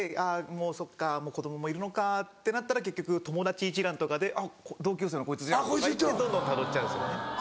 もうそっか子供もいるのかってなったら結局友達一覧とかで「あっ同級生のこいつ」とかいってどんどんたどっちゃうんですよね。